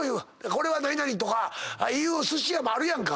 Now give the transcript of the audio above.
これは何々とかいうすし屋もあるやんか。